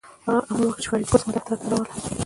هغه امر وکړ چې فریدګل زما دفتر ته راوله